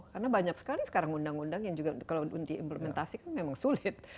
karena banyak sekali sekarang undang undang yang juga kalau diimplementasi kan memang sulit